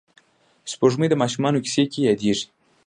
سپوږمۍ د ماشومانو کیسو کې یادېږي